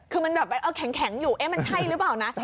คือมันแบบแข็งอยู่เอ๊ะมันใช่หรือเปล่านะ